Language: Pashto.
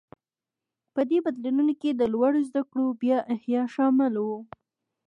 په دې بدلونونو کې د لوړو زده کړو بیا احیا شامل و.